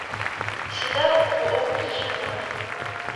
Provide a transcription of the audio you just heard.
Сыда угуӀэу узылъыхъурэр?